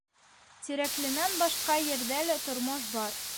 Тирәкленән башҡа ерҙә лә тормош бар.